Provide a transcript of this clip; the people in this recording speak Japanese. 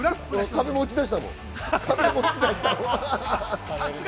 壁持ちだしたもん。